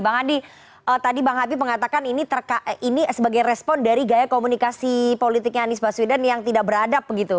bang adi tadi bang habib mengatakan ini sebagai respon dari gaya komunikasi politiknya anies baswedan yang tidak beradab gitu